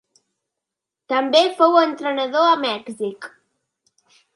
També fou entrenador a Mèxic.